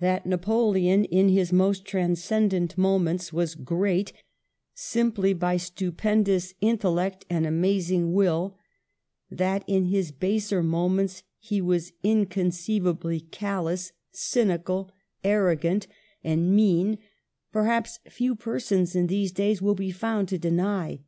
That Napoleon in his most transcendent mo ments was great simply' by stupendous intellect and amazing will ; that in his baser moments he was inconceivably callous, cynical, arrogant and 9 Digitized by VjOOQIC I30 MADAME DE STA&L mean, perhaps few persons in these days will be found to deny.